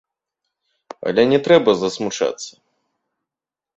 Але не трэба засмучацца!